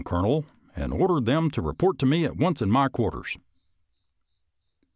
Colonel, and order them to report to me at once at my quar ters.